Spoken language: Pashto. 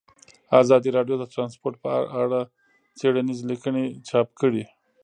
ازادي راډیو د ترانسپورټ په اړه څېړنیزې لیکنې چاپ کړي.